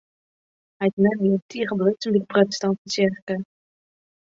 Heit en mem wiene tige belutsen by de protestantske tsjerke.